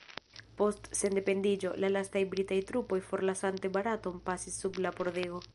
Post sendependiĝo, la lastaj britaj trupoj forlasante Baraton pasis sub la pordego.